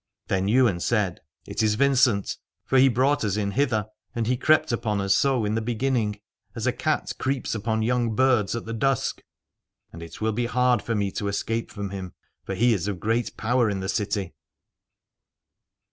Then Ywain said : It is Vincent, for he brought us in hither, 169 Aladore and he crept upon us so in the beginning, as a cat creeps upon young birds at the dusk. And it will be hard for me to escape from him, for he is of great power in the city.